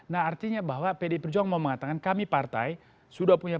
nah artinya bahwa pdi perjuangan mau mengatakan kami partai sudah punya